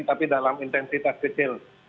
tapi dalam intensitas kecil